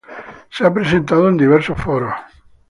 Se ha presentado en diversos foros.